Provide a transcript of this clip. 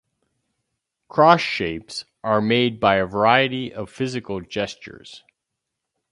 Cross shapes are made by a variety of physical gestures.